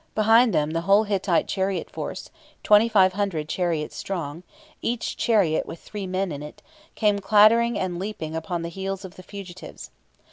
Behind them the whole Hittite chariot force, 2,500 chariots strong, each chariot with three men in it, came clattering and leaping upon the heels of the fugitives.